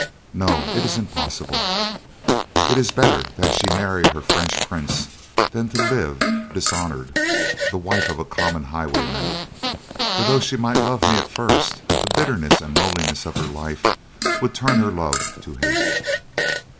No, it is impossible. It is better that she marry her French prince than to live, dishonored, the wife of a common highwayman; for though she might love me at first, the bitterness and loneliness of her life would turn her love to hate.